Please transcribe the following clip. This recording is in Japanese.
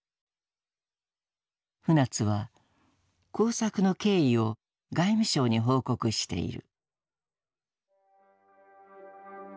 船津は工作の経緯を外務省に報告している。